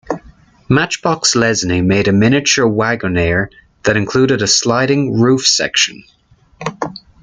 Matchbox-Lesney made a miniature Wagonaire that included a sliding roof section.